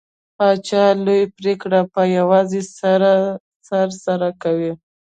پاچا لوې پرېکړې په يوازې سر سره کوي .